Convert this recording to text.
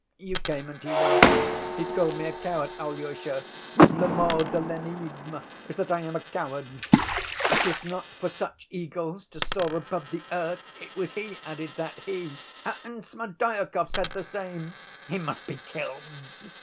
You came and he went. He called me a coward, Alyosha! Le mot de l'énigme is that I am a coward. 'It is not for such eagles to soar above the earth.' It was he added that—he! And Smerdyakov said the same. He must be killed!